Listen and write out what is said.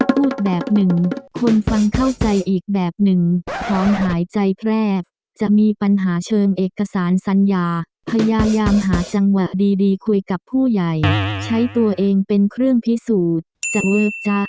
พูดแบบหนึ่งคนฟังเข้าใจอีกแบบหนึ่งหอมหายใจแพร่จะมีปัญหาเชิงเอกสารสัญญาพยายามหาจังหวะดีคุยกับผู้ใหญ่ใช้ตัวเองเป็นเครื่องพิสูจน์จะเวิร์กจ๊ะ